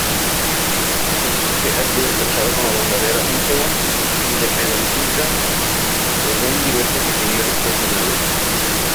Este personaje ha sido tachado como bandolero y como independentista según diversas opiniones personales.